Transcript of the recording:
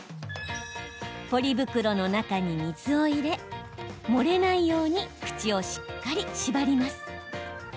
ポリ袋の中に水を入れ漏れないように口をしっかり縛ります。